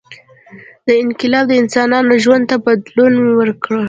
• دا انقلاب د انسانانو ژوند ته بدلون ورکړ.